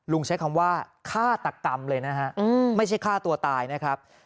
ใช้คำว่าฆาตกรรมเลยนะฮะไม่ใช่ฆ่าตัวตายนะครับ